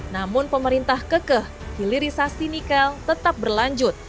namun pemerintah kekeh hilirisasi nikel tetap berlanjut